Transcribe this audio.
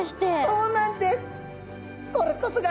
そうなんです。